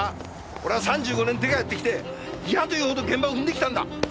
俺は３５年デカやってきていやというほど現場を踏んできたんだ。